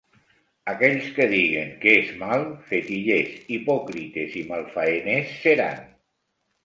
Aquells que diguen que és mal, fetillers, hipòcrites i malfaeners seran.